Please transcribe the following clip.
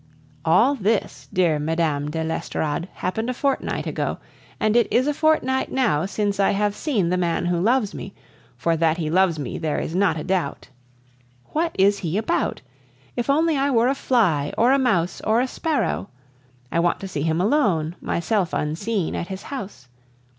All this, dear, Mme. de l'Estorade, happened a fortnight ago, and it is a fortnight now since I have seen the man who loves me, for that he loves me there is not a doubt. What is he about? If only I were a fly, or a mouse, or a sparrow! I want to see him alone, myself unseen, at his house.